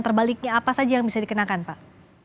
terbaliknya apa saja yang bisa dikenakan pak